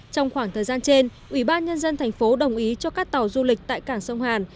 trong khoảng thời gian trên ủy ban nhân dân thành phố đồng ý cho các tàu du lịch tại cảng sông hàn